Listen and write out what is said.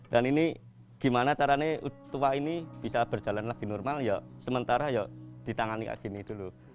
dan ini gimana caranya tua ini bisa berjalan lagi normal ya sementara ditangani kayak gini dulu